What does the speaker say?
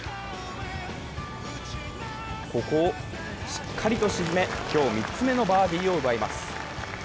ここをしっかりと沈め、今日、３つ目のバーディーを奪います。